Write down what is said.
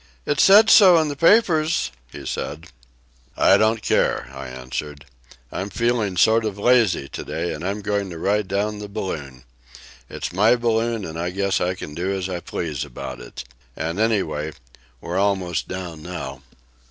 "It said so in the papers," he said. "I don't care," I answered. "I'm feeling sort of lazy today, and I'm just going to ride down the balloon. It's my balloon and I guess I can do as I please about it. And, anyway, we're almost down now."